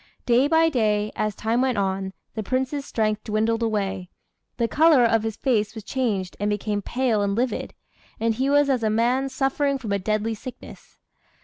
Day by day, as time went on, the Prince's strength dwindled away; the colour of his face was changed, and became pale and livid; and he was as a man suffering from a deadly sickness.